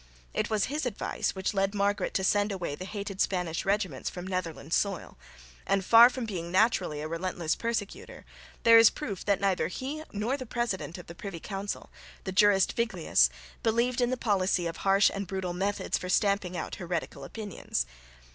It was his advice which led Margaret to send away the hated Spanish regiments from Netherland soil; and, far from being naturally a relentless persecutor, there is proof that neither he nor the president of the Privy Council, the jurist Viglius, believed in the policy of harsh and brutal methods for stamping out heretical opinions.